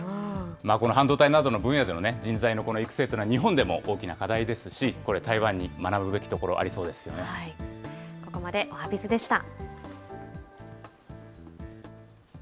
この半導体などの分野での人材のこの育成というのは、日本でも大きな課題ですし、これ、台湾に学ここまでおはＢｉｚでした。